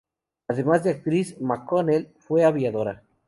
Además de actriz, McConnell fue aviadora.